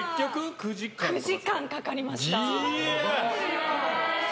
９時間かかりました。